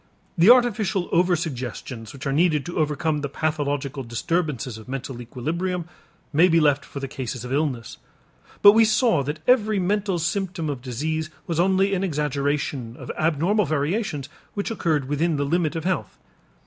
The artificial over suggestions which are needed to overcome the pathological disturbances of mental equilibrium may be left for the cases of illness. But we saw that every mental symptom of disease was only an exaggeration of abnormal variations which occurred within the limit of health.